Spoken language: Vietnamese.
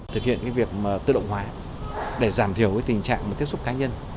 thực hiện cái việc tự động hóa để giảm thiểu cái tình trạng tiếp xúc cá nhân